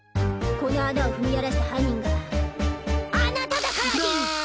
この穴を踏み荒らした犯人があなただからでぃす！